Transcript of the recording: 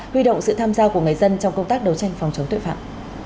huy động sự tham gia của người dân trong công tác đấu tranh phòng chống tội phạm